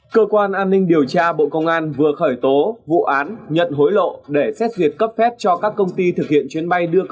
cơ quan an ninh điều tra bộ công an vừa khởi tố vụ án nhận hối lộ để xét duyệt cấp phép cho các công ty thực hiện chuyến bay đưa